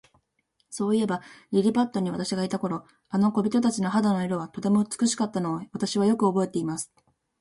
そういえば、リリパットに私がいた頃、あの小人たちの肌の色は、とても美しかったのを、私はよくおぼえています。